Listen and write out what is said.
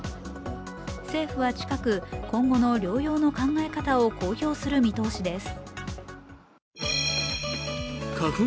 政府は近く、今後の療養の考え方を公表する見通しです。